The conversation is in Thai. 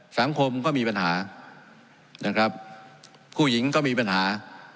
สังคมก็มีปัญหานะครับผู้หญิงก็มีปัญหา